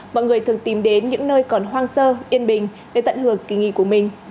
mọi người thường tìm đến những nơi còn hoang sơ yên bình để tận hưởng kỳ nghỉ của mình